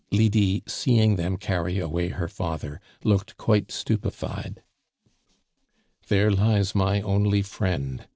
Lydie, seeing them carry away her father, looked quite stupefied. "There lies my only friend!"